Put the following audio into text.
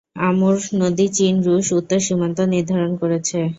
আমুর নদী চীন-রুশ উত্তর সীমান্ত নির্ধারণ করেছে।